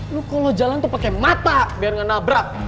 lu kalau jalan tuh pakai mata biar gak nabrak